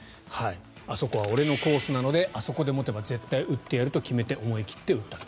あそこは俺のコースなのであそこで持てば絶対に打ってやると決めて思い切って打ったと。